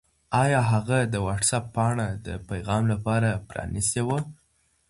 آیا هغه د وټس-اپ پاڼه د پیغام لپاره پرانستې وه؟